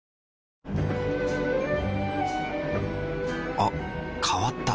あ変わった。